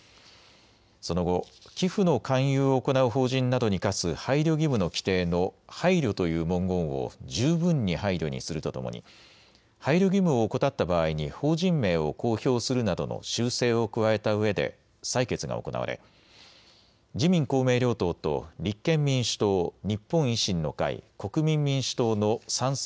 その後、寄付の勧誘を行う法人などに課す配慮義務の規定の配慮という文言を十分に配慮にするとともに配慮義務を怠った場合に法人名を公表するなどの修正を加えたうえで採決が行われ自民公明両党と立憲民主党、日本維新の会、国民民主党の賛成